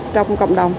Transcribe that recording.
trong cộng đồng